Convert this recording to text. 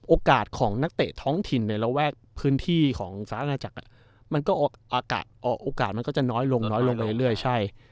โอกาสของนักเตะท้องถิ่นในระแวกพื้นที่ของซ้านาจักรโอกาสมันก็จะน้อยลงเรื่อย